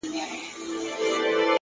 • جهانی به له بهاره د سیلیو لښکر یوسي,